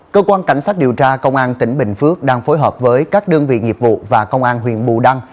cơ quan cảnh sát điều tra công an tỉnh bình phước đang phối hợp với các đơn vị nghiệp vụ và công an huyện bù đăng